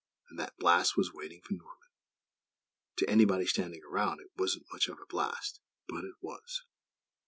And that blast was waiting for Norman! To anybody standing around, it wasn't much of a blast; but it _was!